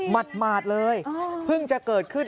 หมาดเลยเพิ่งจะเกิดขึ้น